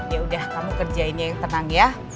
yaudah kamu kerjainnya tenang ya